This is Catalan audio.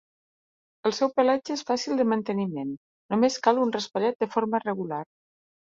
El seu pelatge és fàcil de manteniment, només cal un raspallat de forma regular.